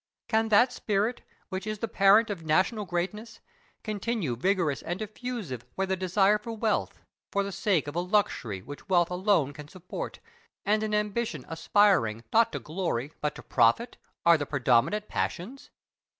Can that spirit, which is the parent of national greatness, continue vigorous and diffusive where the desire of wealth, for the sake of a luxury which wealth alone can support, and an ambition aspiring, not to glory, but to profit, are the predominant passions?